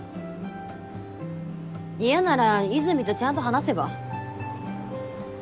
嫌なら和泉とちゃんと話せば？